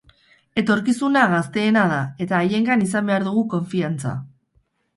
Etorkizuna gazteena da eta haiengan izan behar dugu konfiantza.